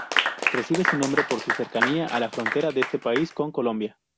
Recibe su nombre por su cercanía a la frontera de este país con Colombia.